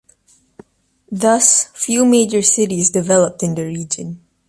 Thus, few major cities developed in the region.